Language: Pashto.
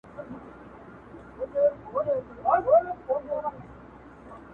• مور زوی ملامتوي زوی مور ته ګوته نيسي او پلار ,